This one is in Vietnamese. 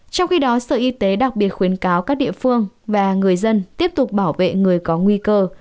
trong khi đó sở y tế đặc biệt khuyến cáo các địa phương và người dân tiếp tục bảo vệ người có nguy cơ